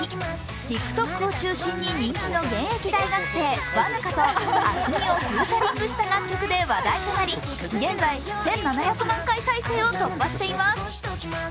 ＴｉｋＴｏｋを中心に人気の現役大学生和ぬかとａｓｍｉをフィーチャリングした楽曲で話題となり現在１７００万回再生を突破しています。